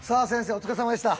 お疲れさまでした。